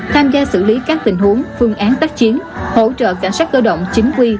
tham gia xử lý các tình huống phương án tác chiến hỗ trợ cảnh sát cơ động chính quy